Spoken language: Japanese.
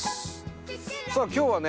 さあ今日はね